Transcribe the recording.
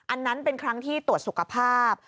อันนั้นเป็นครั้งที่ตรวจสุขภาพ